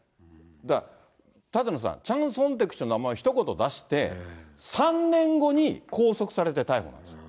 だから舘野さん、チャン・ソンテク氏の名前をひと言出して、３年後に拘束されて逮捕なんです。